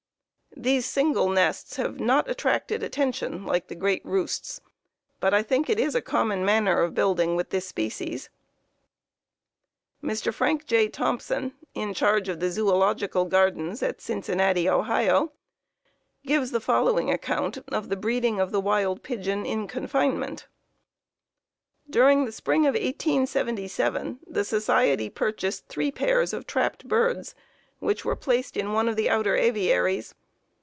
These single nests have not attracted attention like the great roosts, but I think it is a common manner of building with this species." Mr. Frank J. Thompson, in charge of the Zoölogical Gardens at Cincinnati, Ohio, gives the following account of the breeding of the wild pigeon in confinement: "During the spring of 1877, the society purchased three pairs of trapped birds, which were placed in one of the outer aviaries.